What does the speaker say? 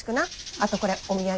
あとこれお土産。